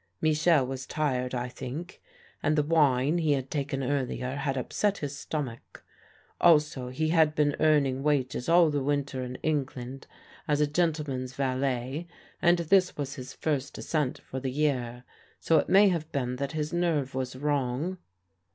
Michel was tired, I think, and the wine he had taken earlier had upset his stomach; also he had been earning wages all the winter in England as a gentleman's valet and this was his first ascent for the year, so it may have been that his nerve was wrong.